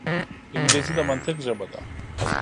انګلیسي د منطق ژبه ده